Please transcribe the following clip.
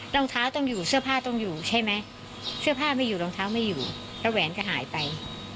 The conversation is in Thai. รองเท้าต้องอยู่เสื้อผ้าต้องอยู่ใช่ไหมเสื้อผ้าไม่อยู่รองเท้าไม่อยู่แล้วแหวนก็หายไป